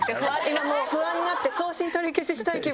今もう不安になって送信取り消ししたい気分です。